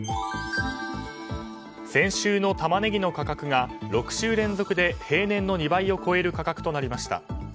先週のタマネギの価格が６週連続で平年の２倍を超える価格となりました。